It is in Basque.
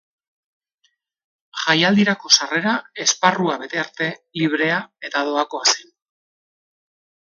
Jaialdirako sarrera, esparrua bete arte, librea eta doakoa zen.